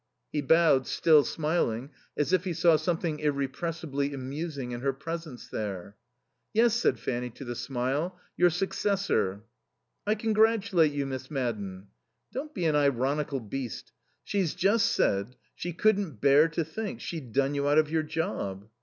He bowed, still smiling, as if he saw something irrepressibly amusing in her presence there. "Yes," said Fanny to the smile. "Your successor." "I congratulate you, Miss Madden." "Don't be an ironical beast. She's just said she couldn't bear to think she'd done you out of your job."